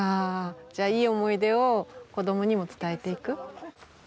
じゃあいい思い出を子供にも伝えていく？